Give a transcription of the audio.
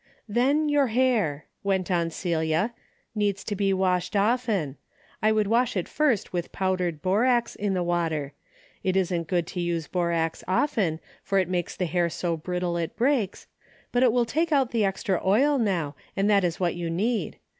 " Then your hair," went on Celia, " needs to be washed often. I would wash it first with powdered borax in the water. It isn't good to use borax often, for it makes the hair so 238 DAILY RATE,''> brittle it breaks, but it will take out the extra oil now, and that is what you need.